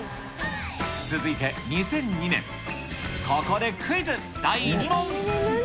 続いて２００２年、ここでクイズ、第２問。